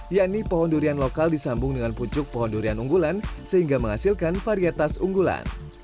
yakni pohon durian lokal disambung dengan pucuk pohon durian unggulan sehingga menghasilkan varietas unggulan